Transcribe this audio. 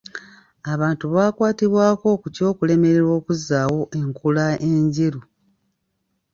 Abantu bakwatibwako ku ky'okulemererwa okuzzaawo enkula enjeru.